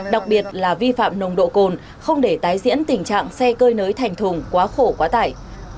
đặc biệt là vi phạm nồng độ cồn không để tái diễn tình trạng xe cơi nới thành thùng quá khổ quá tải